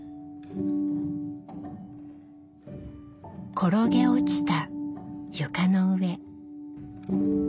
転げ落ちた床の上